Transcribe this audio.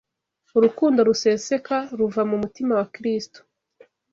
Urukundo ruseseka ruva mu mutima wa Kristo